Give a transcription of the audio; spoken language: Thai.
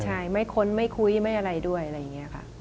ใช่ไม่ค้นไม่คุยไม่อะไรด้วยอะไรอย่างนี้ค่ะ